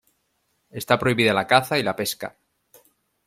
Está prohibida la caza y la pesca.